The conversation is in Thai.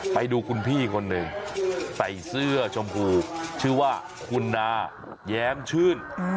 ไปดูคุณพี่คนหนึ่งใส่เสื้อชมพูชื่อว่าคุณนาแย้มชื่น